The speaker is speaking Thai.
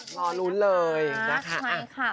รอลุ้นเลยนะคะ